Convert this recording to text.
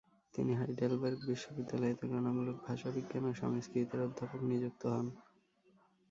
তিনি হাইডেলবের্গ বিশ্ববিদ্যালয়ে তুলনামূলক ভাষাবিজ্ঞান ও সংস্কৃতের অধ্যাপক নিযুক্ত হন।